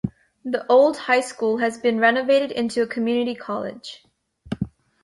The old high school has been renovated into a community college.